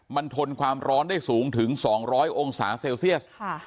มันทนความร้อนได้สูงถึง๒๐๐องศาเซลเซียส